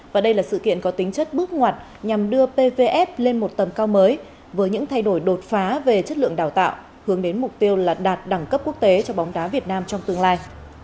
và đây là sự kiện có tính chất bước ngoặt nhằm đưa pvf lên một tầm cao mới với những thay đổi đột phá về chất lượng đào tạo hướng đến mục tiêu là đạt đẳng cấp quốc tế cho bóng đá việt nam trong tương lai